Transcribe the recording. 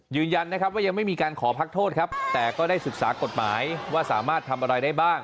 ยืนยันนะครับว่ายังไม่มีการขอพักโทษครับแต่ก็ได้ศึกษากฎหมายว่าสามารถทำอะไรได้บ้าง